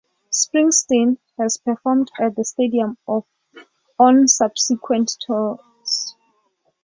Springsteen has performed at the stadium on subsequent tours.